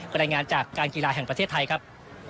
รายงานจากการกีฬาแห่งประเทศไทยครับ